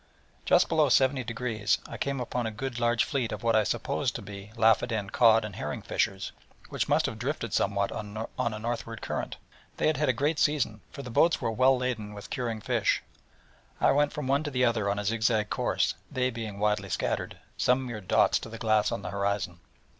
Just below latitude 70° I came upon a good large fleet of what I supposed to be Lafoden cod and herring fishers, which must have drifted somewhat on a northward current. They had had a great season, for the boats were well laden with curing fish. I went from one to the other on a zig zag course, they being widely scattered, some mere dots to the glass on the horizon.